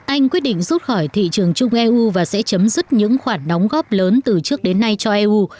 anh quyết định rút khỏi thị trường chung eu và sẽ chấm dứt những khoản đóng góp lớn từ trước đến nay cho eu